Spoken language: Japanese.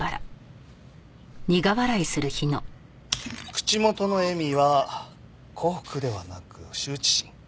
口元の笑みは幸福ではなく羞恥心。